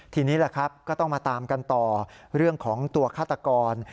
ทีนี้ก็ต้องมาตามกันต่อเรื่องของตัวฆาตกร